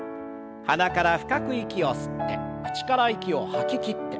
鼻から深く息を吸って口から息を吐ききって。